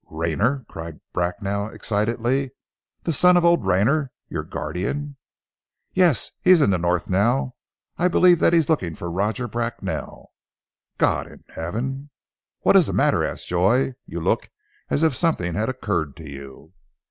"Rayner!" cried Bracknell excitedly. "The son of old Rayner, your guardian?" "Yes! He is in the North now. I believe that he is looking for Roger Bracknell." "God in heaven!" "What is the matter?" asked Joy. "You look as if something had occurred to you!"